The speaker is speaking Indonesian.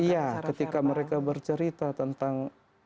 iya ketika mereka bercerita tentang